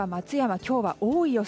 今日は多い予想。